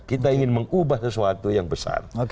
kita ingin mengubah sesuatu yang besar